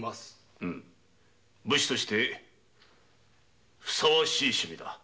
武士としてふさわしい趣味だ。